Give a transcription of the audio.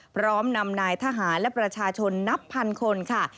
พร้อมนำนายทหารและประชาชนนับพันคนค่ะ